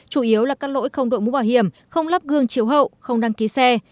chủ yếu là các lỗi không đội mũ bảo hiểm không lắp gương chiếu hậu không đăng ký xe